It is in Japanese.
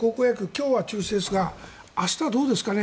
今日は中止ですが明日はどうでしょうかね